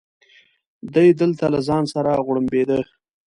دی دلته له ځان سره غوړمبېده.